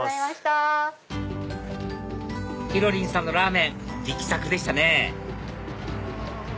ひろりんさんのラーメン力作でしたね